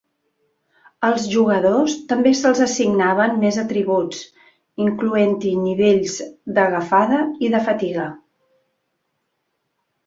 Als jugadors també se'ls assignaven més atributs, incloent-hi nivells d'agafada i de fatiga.